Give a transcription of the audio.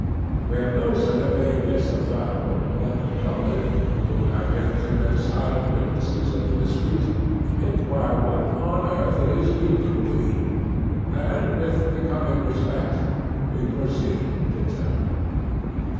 We have no sooner made this avowal, than the public, who have hitherto been silent witnesses of the dispute, inquire what on earth it is we do mean; and, with becoming respect, we proceed to tell them.